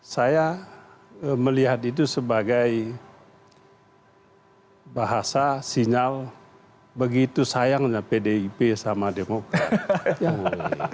saya melihat itu sebagai bahasa sinyal begitu sayangnya pdip sama demokrat